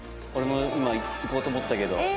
俺も今行こうと思ったけど。